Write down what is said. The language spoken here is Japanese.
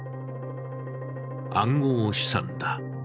暗号資産だ。